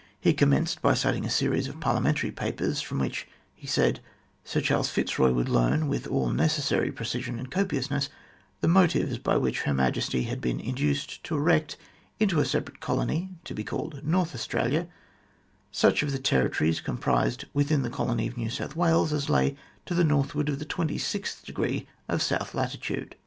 He commenced by citing a series of Parliamentary papers from which, he said, Sir Charles Fitzroy would learn, with all necessary precision and copiousness, the motives by which Her Majesty had been induced to erect into a separate colony, to be called North Australia, such of the territories comprised within the Colony of New South Wales as lay to the northward of the twenty sixth degree of south latitude.